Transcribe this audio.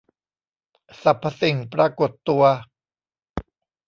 สรรพสิ่งปรากฏตัว